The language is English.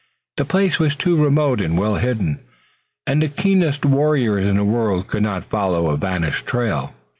The place was too remote and well hidden, and the keenest warriors in the world could not follow a vanished trail.